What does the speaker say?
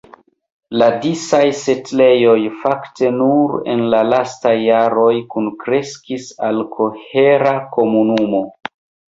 La disaj setlejoj fakte nur en la lastaj jaroj kunkreskis al kohera komunumo.